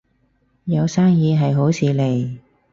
有生意係好事嚟